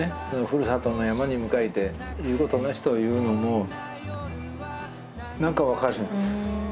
ふるさとの山に向かいていうことなしと言うのも何か分かるんです。